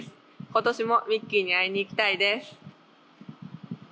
今年もミッキーに会いに行きたいです。